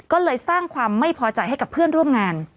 ก็เลยสร้างความไม่พอใจให้กับเพื่อนร่วมงาน